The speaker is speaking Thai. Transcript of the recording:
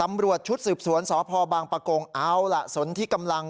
ตำรวจชุดสืบสวนสพบางประกงเอาล่ะสนที่กำลัง